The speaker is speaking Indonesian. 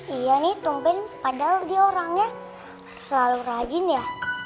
iya nih tumben padahal dia orangnya selalu rajin ya